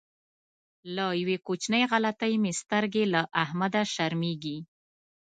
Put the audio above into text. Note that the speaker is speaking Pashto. له یوې کوچنۍ غلطۍ مې سترګې له احمده شرمېږي.